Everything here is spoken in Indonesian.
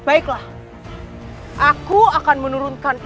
aku ingin kau menurunkan